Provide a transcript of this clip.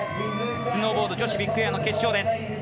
スノーボード女子ビッグエア決勝。